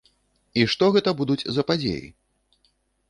І што гэта будуць за падзеі?